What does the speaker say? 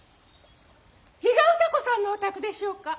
比嘉歌子さんのお宅でしょうか。